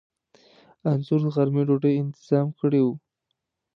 انځور د غرمې ډوډۍ انتظام کړی و.